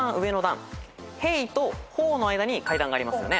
「兵」と「法」の間に階段がありますよね。